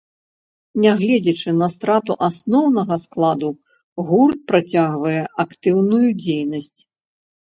Нягледзячы на страту асноўнага складу, гурт працягвае актыўную дзейнасць.